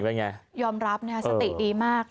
เราก็ยอมรับเนี่ยสติดีมาก